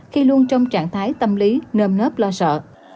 khi luôn trong trạng thái tâm lý nơm nớp lo sợ